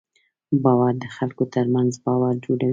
باور د خلکو تر منځ باور جوړوي.